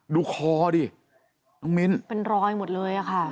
ดูคอดิน้องมิ้นเป็นรอยหมดเลยอะค่ะ